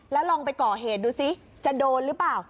แล้วลองไปก่อเหตุดูซิจะโดนหรือเปล่า